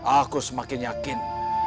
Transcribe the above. aku semakin yakin